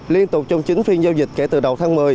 liên tục trong chín phiên giao dịch kể từ đầu tháng một mươi